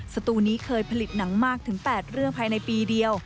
สตูนี้เคยผลิตหนังมากถึง๘เรื่องภายในปีเดียว